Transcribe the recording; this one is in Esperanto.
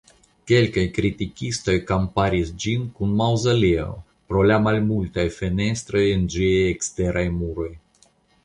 Kelkaj kritikistoj komparis ĝin kun maŭzoleo pro la malmultaj fenestroj en ĝiaj eksteraj muroj.